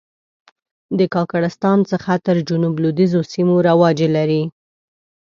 د کاکړستان څخه تر جنوب لوېدیځو سیمو رواج لري.